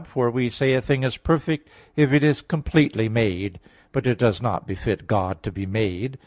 For we say a thing is perfect if it is completely made. But it does not befit God to be made.